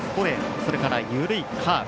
それから緩いカーブ。